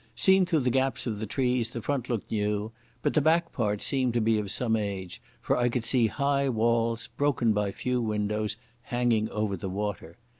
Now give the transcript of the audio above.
Seen through the gaps of the trees the front looked new, but the back part seemed to be of some age, for I could see high walls, broken by few windows, hanging over the water.